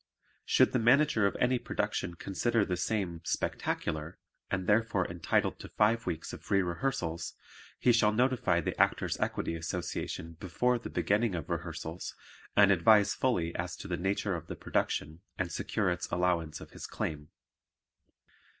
Should the Manager of any production consider the same "Spectacular" and therefore entitled to five weeks of free rehearsals, he shall notify the Actors' Equity Association before the beginning of rehearsals and advise fully as to the nature of the production and secure its allowance of his claim.